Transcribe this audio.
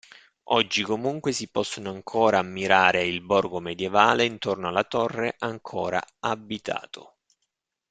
Oggi comunque si possono ancora ammirare il borgo medievale intorno alla torre, ancora abitato.